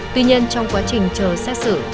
tuy nhiên trong quá trình chờ xét xử